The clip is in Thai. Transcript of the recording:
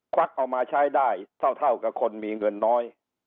วักเอามาใช้ได้เท่ากับคนมีเงินน้อย